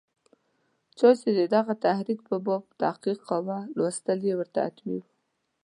چا چې د دغه تحریک په باب تحقیق کاوه، لوستل یې ورته حتمي وو.